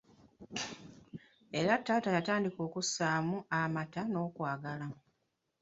Era taata yatandika okusaamu amata n'okwagala.